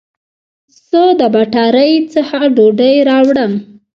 زه د بټاری څخه ډوډي راوړم